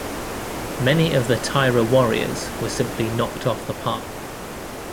Many of the Taira warriors were simply knocked off the path.